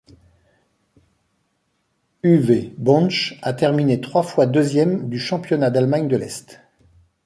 Uwe Bönsch a terminé trois fois deuxième du championnat d'Allemagne de l'Est.